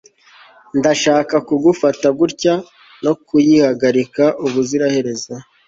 ndashaka kugufata, gutya, no kuyihagarika ubuziraherezo